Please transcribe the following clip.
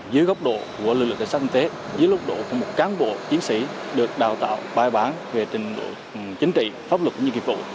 dưới góc độ của lực lượng tài sát kinh tế dưới góc độ của một cám bộ chiến sĩ được đào tạo bài bán về trình độ chính trị pháp luật và nhiệm vụ